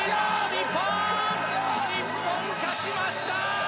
日本勝ちました！